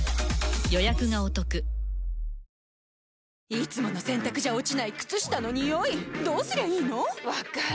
いつもの洗たくじゃ落ちない靴下のニオイどうすりゃいいの⁉分かる。